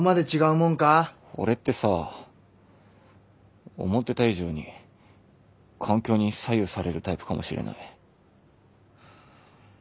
俺ってさ思ってた以上に環境に左右されるタイプかもしれない。